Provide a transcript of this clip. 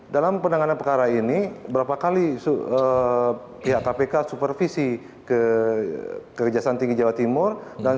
dalam penanganan perkara ini berapa kali pihak kpk supervisi kejaksaan tinggi jawa timur